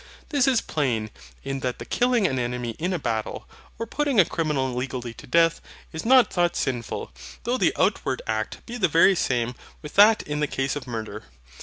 This is plain, in that the killing an enemy in a battle, or putting a criminal legally to death, is not thought sinful; though the outward act be the very same with that in the case of murder.